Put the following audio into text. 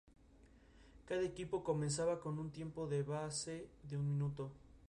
Cada equipo comenzaba con un tiempo base de un minuto.